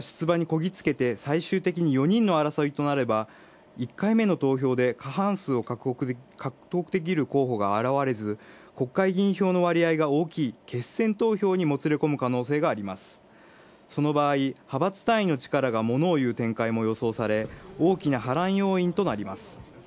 ４人の争いとなれば、１回目の投票で過半数を獲得できる候補が現れず国会議員票の割合が大きい決選投票にもつれこむ可能性がその場合、派閥単位の力がものをいう展開も予想され波乱要因となります。